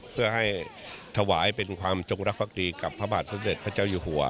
เพื่อให้ถวายเป็นความจงรักภักดีกับพระบาทสมเด็จพระเจ้าอยู่หัว